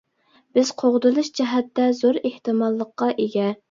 بىز قوغدىلىش جەھەتتە زور ئېھتىماللىققا ئىگە.